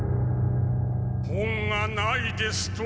本がないですと？